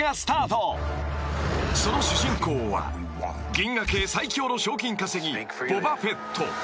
［その主人公は銀河系最強の賞金稼ぎボバ・フェット］